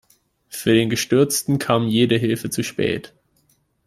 Für den Gestürzten kam jede Hilfe zu spät.